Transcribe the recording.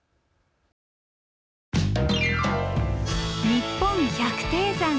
「にっぽん百低山」。